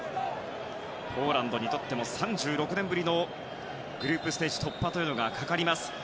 ポーランドにとっても３６年ぶりのグループステージ突破がかかります。